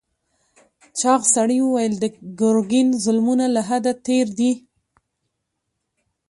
چاغ سړي وویل د ګرګین ظلمونه له حده تېر دي.